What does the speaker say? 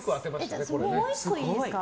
じゃあ、もう１個いいですか。